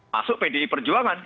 masuk pdi perjuangan